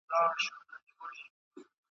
ما لیدلي دي کوهي د غمازانو ,